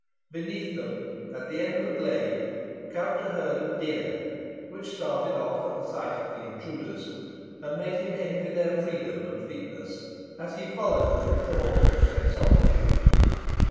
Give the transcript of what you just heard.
Beneath them, at the end of a glade, couched a herd of deer, which started off at sight of the intruders, and made him envy their freedom and fleetness as he followed them in thought to their solitudes.